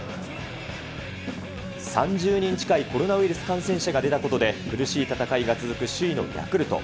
３０人近いコロナウイルス感染者が出たことで、苦しい戦いが続く首位のヤクルト。